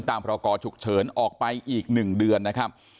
ตามภรรกอฉุกเฉินออกไปอีกหนึ่งเดือนนะครับ